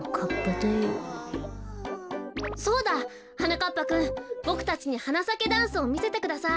そうだはなかっぱくんボクたちに「はなさけダンス」をみせてください。